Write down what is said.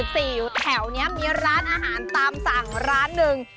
สี่แถวนี้มีร้านอาหารตามสั่งร้านหนึ่ง